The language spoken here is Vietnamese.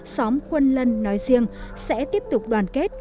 xóm quân lân nói riêng sẽ tiếp tục đoàn kết